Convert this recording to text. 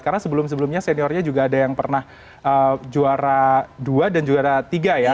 karena sebelum sebelumnya seniornya juga ada yang pernah juara dua dan juara tiga ya